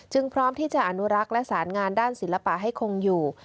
พร้อมที่จะอนุรักษ์และสารงานด้านศิลปะให้คงอยู่